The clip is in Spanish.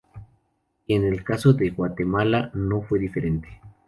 Y en el caso de Guatemala no fue diferente.